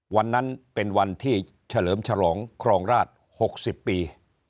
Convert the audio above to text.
วันนั้นเป็นวันที่เฉลิมฉลองครองราช๖๐ปี